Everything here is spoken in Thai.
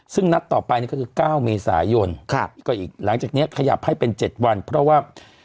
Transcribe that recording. ซึ่งนัดต่อไปนี่ก็คือ๙เมษายนก็อีกหลังจากนี้ขยับให้เป็น๗วันเพราะว่า